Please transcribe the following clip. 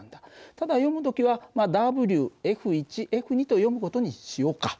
ただ読む時はＷＦＦと読む事にしようか。